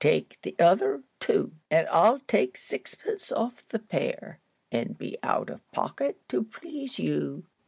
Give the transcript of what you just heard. Take the other, too, and I'll take sixpence off the pair, and be out of pocket to please you."